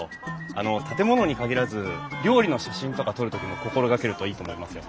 あの建物に限らず料理の写真とか撮る時も心がけるといいと思いますよ。